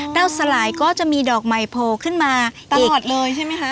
เจ้าสลายก็จะมีดอกใหม่โผล่ขึ้นมาตลอดเลยใช่ไหมคะ